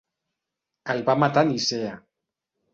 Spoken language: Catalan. El va matar Nicea.